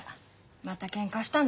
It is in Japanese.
またけんかしたの？